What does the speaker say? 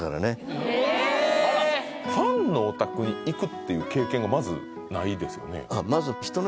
ファンのお宅に行くっていう経験がまずないですよね？